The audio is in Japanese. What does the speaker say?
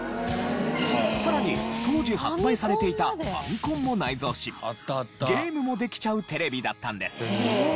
さらに当時発売されていたファミコンも内蔵しゲームもできちゃうテレビだったんです。